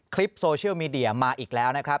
คลิปโซเชียลมีเดียมาอีกแล้วนะครับ